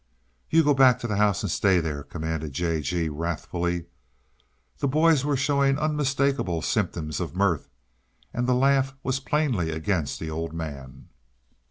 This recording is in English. "You go back to the house and stay there!" commanded J. G., wrathfully. The boys were showing unmistakable symptoms of mirth, and the laugh was plainly against the Old Man.